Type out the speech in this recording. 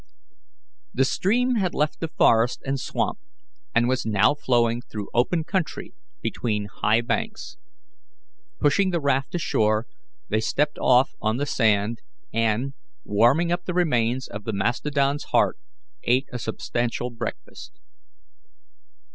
The stream had left the forest and swamp, and was now flowing through open country between high banks. Pushing the raft ashore, they stepped off on the sand, and, warming up the remains of the mastodon's heart, ate a substantial breakfast.